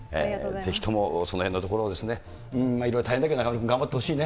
ぜひともそのへんのところ、いろいろ大変だけど、中丸君、頑張ってほしいね。